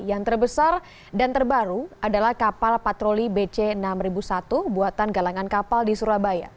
yang terbesar dan terbaru adalah kapal patroli bc enam ribu satu buatan galangan kapal di surabaya